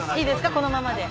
このままで。